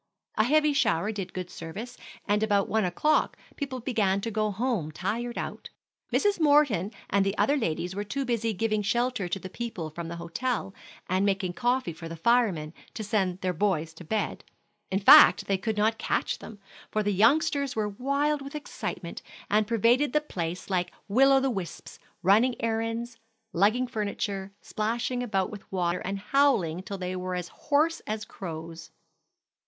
A heavy shower did good service, and about one o'clock, people began to go home tired out. Mrs. Morton and other ladies were too busy giving shelter to the people from the hotel, and making coffee for the firemen, to send their boys to bed. In fact, they could not catch them; for the youngsters were wild with excitement, and pervaded the place like will o' the wisps, running errands, lugging furniture, splashing about with water, and howling till they were as hoarse as crows.